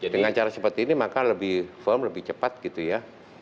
dengan cara seperti ini maka lebih firm lebih cepat gitu ya